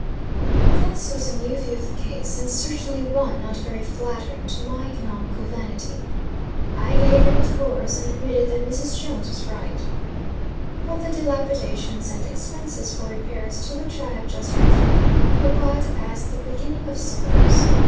This was a new view of the case, and certainly one not very flattering to my economical vanity. I gave in, of course, and, admitted that Mrs. Jones was right. But the dilapidations and expenses for repairs, to which I have just referred, were but as the "beginning of sorrows."